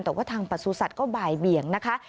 แต่ว่าทางประสุทธิ์ก็บ่ายเบี่ยงนะคะ